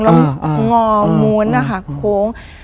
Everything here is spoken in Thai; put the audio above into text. แล้วหงอมวลค้ง